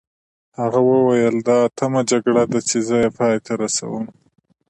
هغه وویل دا اتمه جګړه ده چې زه یې پای ته رسوم.